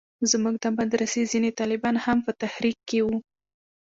زموږ د مدرسې ځينې طالبان هم په تحريک کښې وو.